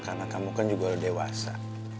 karena kamu kan juga udah dewasa